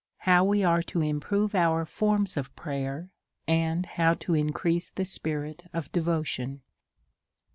How ice are to improve our Forms of Prayer, and how to increase the Spirit of Devotion.